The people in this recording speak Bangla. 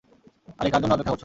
আরে, কার জন্য অপেক্ষা করছো?